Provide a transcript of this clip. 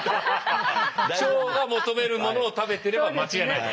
腸が求めるものを食べてれば間違いない。